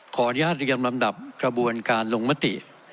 ขออนุญาตเรียงลำดับกระบวนการลงมติ